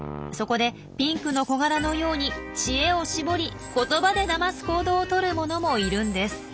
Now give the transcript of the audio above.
そこでピンクのコガラのように知恵を絞り言葉でだます行動をとるものもいるんです。